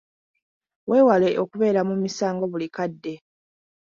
Weewale okubeera mu misango buli kadde.